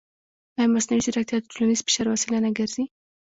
ایا مصنوعي ځیرکتیا د ټولنیز فشار وسیله نه ګرځي؟